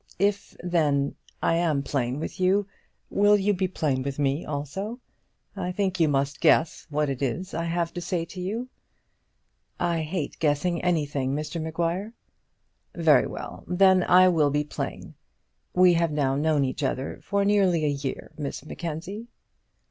If, then, I am plain with you, will you be plain with me also? I think you must guess what it is I have to say to you." "I hate guessing anything, Mr Maguire." "Very well; then I will be plain. We have now known each other for nearly a year, Miss Mackenzie."